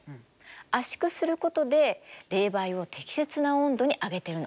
圧縮することで冷媒を適切な温度に上げてるの。